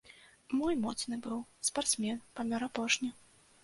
Мой моцны быў, спартсмен, памёр апошні.